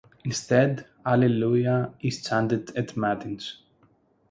Instead, Alleluia is chanted at Matins.